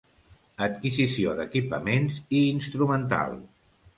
Adquisició d'equipaments i instrumental.